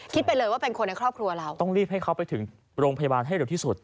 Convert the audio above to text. ไปเลยว่าเป็นคนในครอบครัวเราต้องรีบให้เขาไปถึงโรงพยาบาลให้เร็วที่สุด